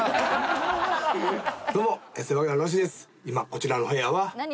今こちらの部屋は。